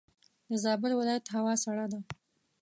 دزابل ولایت هوا سړه ده.